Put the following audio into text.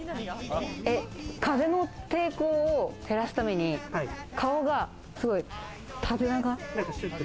風の抵抗を減らすために、顔がすごい縦長。